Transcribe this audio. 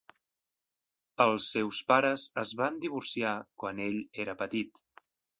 Els seus pares es van divorciar quan ell era petit.